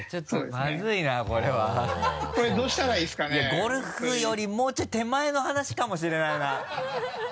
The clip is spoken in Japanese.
ゴルフよりもうちょい手前の話かもしれないな。